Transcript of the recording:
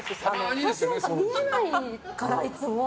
見えないから、いつも。